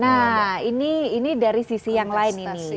nah ini dari sisi yang lain ini